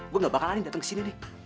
gue nggak bakalan datang ke sini nih